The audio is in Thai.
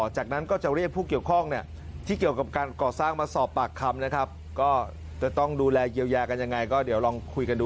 จากนั้นก็จะเรียกผู้เกี่ยวข้อง